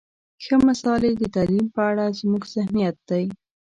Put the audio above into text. ښه مثال یې د تعلیم په اړه زموږ ذهنیت دی.